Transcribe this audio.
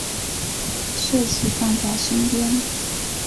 设计放在身边